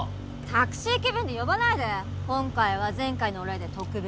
タクシー気分で呼ばないで今回は前回のお礼で特別。